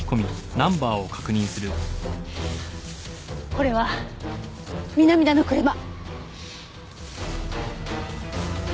これは南田の車。